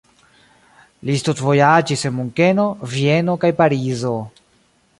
Li studvojaĝis en Munkeno, Vieno kaj Parizo.